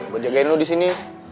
gue jagain lo disini